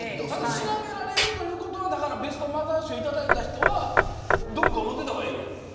調べられるということはベストマザー賞頂いた人はどこか思っていた方がいい。